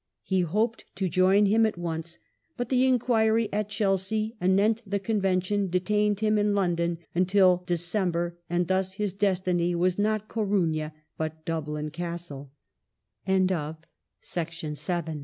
He hoped to join, him at once, but the inquiry at Chelsea anent the Convention detained him in London until December ; and thus his destiny was not Coruiia, but Dubl